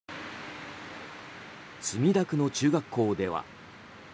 墨田区の中学校では。